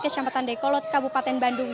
kecamatan dayakolot kabupaten bandung